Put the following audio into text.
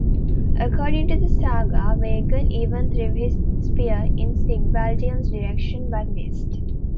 According to the saga, Vagn even threw his spear in Sigvaldi's direction, but missed.